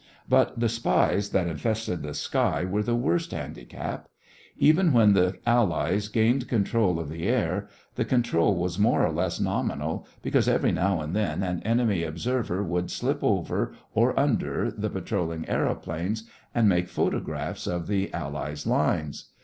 But the spies that infested the sky were the worst handicap. Even when the Allies gained control of the air, the control was more or less nominal because every now and then an enemy observer would slip over or under the patrolling aëroplanes and make photographs of the Allies' lines.